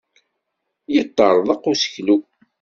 Yeṭṭarḍaq useklu.